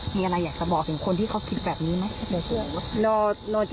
มีอะไรอยากจะบอกถึงคนที่เขาคิดแบบนี้ไหม